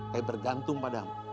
kami bergantung padamu